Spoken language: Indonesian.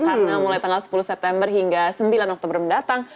karena mulai tanggal sepuluh september hingga sembilan oktober mendatang